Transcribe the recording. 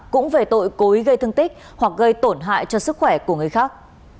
cũng về tội cố ý gây thương tích hoặc gây tổn hại cho sức khỏe của người khác